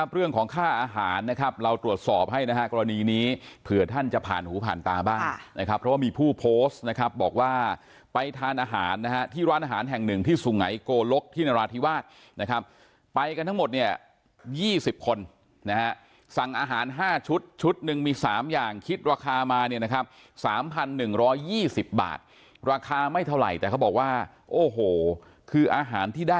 เรื่องของค่าอาหารนะครับเราตรวจสอบให้นะฮะกรณีนี้เผื่อท่านจะผ่านหูผ่านตาบ้างนะครับเพราะว่ามีผู้โพสต์นะครับบอกว่าไปทานอาหารนะฮะที่ร้านอาหารแห่งหนึ่งที่สุไงโกลกที่นราธิวาสนะครับไปกันทั้งหมดเนี่ยยี่สิบคนนะฮะสั่งอาหารห้าชุดชุดหนึ่งมีสามอย่างคิดราคามาเนี่ยนะครับสามพันหนึ่งร้อยยี่สิบบา